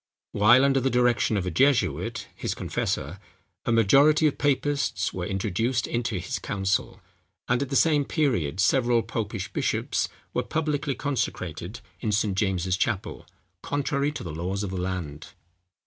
While under the direction of a jesuit, his confessor, a majority of papists were introduced into his council; and at the same period several popish bishops were publicly consecrated in St. James's Chapel, contrary to the laws of the land.